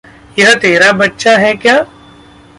यह तेरा बच्चा है क्या?